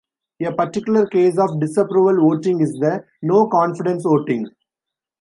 A particular case of disapproval voting is the no-confidence voting.